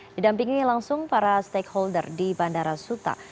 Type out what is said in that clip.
didampingi langsung para stakeholder di bandara suta